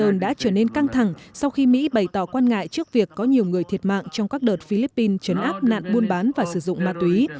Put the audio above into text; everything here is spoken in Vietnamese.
mối quan hệ giữa mỹ và washington đã trở nên căng thẳng sau khi mỹ bày tỏ quan ngại trước việc có nhiều người thiệt mạng trong các đợt philippines chấn áp nạn buôn bán và sử dụng ma túy